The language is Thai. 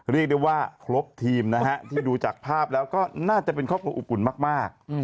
เรียกได้ว่าครบทีมนะฮะที่ดูจากภาพแล้วก็น่าจะเป็นครอบครัวอบอุ่นมาก